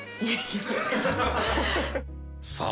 さあ